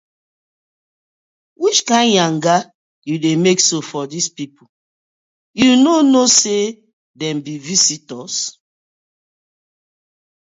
Which kind yanga you dey mek so for dis pipu, yu no kno say dem bi visitors?